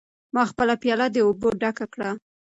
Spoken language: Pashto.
ما خپله پیاله د اوبو ډکه کړه.